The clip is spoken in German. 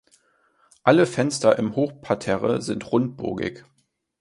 Alle Fenster im Hochparterre sind rundbogig.